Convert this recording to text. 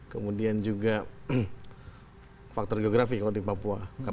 kemudian juga faktor geografi kalau di papua